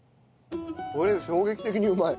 これ衝撃的にうまい。